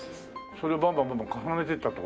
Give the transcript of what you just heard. それをバンバンバンバン重ねていったって事？